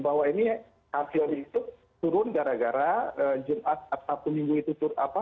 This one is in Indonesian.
bahwa ini arti arti itu turun gara gara sabtu minggu itu turun apa